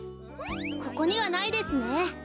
ここにはないですね。